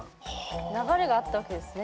流れがあったわけですね